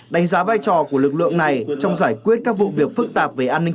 đánh giá vai trò của lực lượng này trong giải quyết các vụ việc phức tạp về an ninh